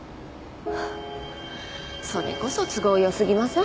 それこそ都合よすぎません？